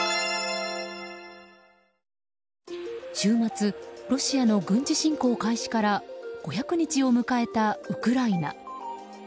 週末ロシアの軍事侵攻開始から５００日を迎えたウクライナ。